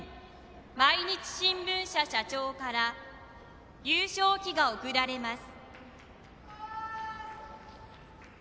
毎日新聞社社長から優勝旗が贈られます。